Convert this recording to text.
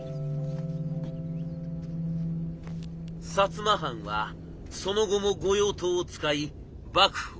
摩藩はその後も御用盗を使い幕府を挑発。